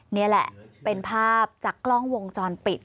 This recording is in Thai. นี่แหละเป็นภาพจากกล้องวงจรปิด